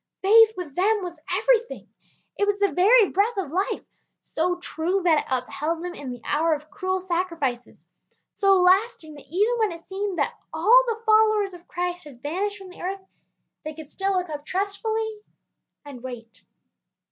Faith with them was everything. It was the very breath of life; so true that it upheld them in the hour of cruel sacrifices; so lasting that even when it seemed that all the followers of Christ had vanished from the earth, they could still look up trustfully and wait.